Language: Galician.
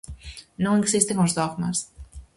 Non existen os dogmas.